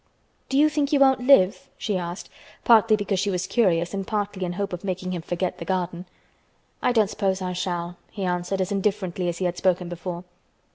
"Do you think you won't live?" she asked, partly because she was curious and partly in hope of making him forget the garden. "I don't suppose I shall," he answered as indifferently as he had spoken before.